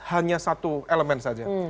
hanya satu elemen saja